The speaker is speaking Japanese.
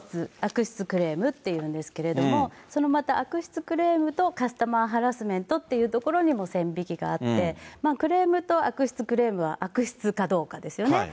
悪質クレームって言うんですけど、そのまた悪質クレームとカスタマーハラスメントというところにも線引きがあって、クレームと悪質クレームは悪質かどうかですよね。